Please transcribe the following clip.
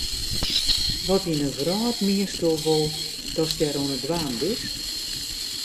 Wat yn de wrâld miensto wol datst dêr oan it dwaan bist?